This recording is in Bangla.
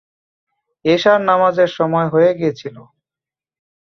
এশার নামাজের সময় হয়ে গিয়েছিল।